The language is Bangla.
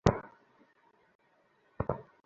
কৃষ্ণদয়াল ক্রুদ্ধ হইয়া উঠিয়া কহিলেন, সম্পূর্ণ বাধা আছে।